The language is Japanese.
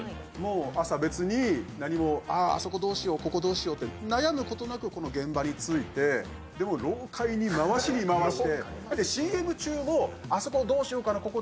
もう朝別に何も「あそこどうしようここどうしよう」って悩むことなくこの現場についてでもう老獪に回しに回してＣＭ中も「あそこどうしようかな」